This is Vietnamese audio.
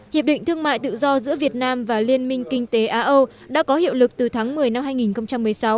hiệp định thương mại tự do giữa việt nam và liên minh kinh tế á âu đã có hiệu lực từ tháng một mươi năm hai nghìn một mươi sáu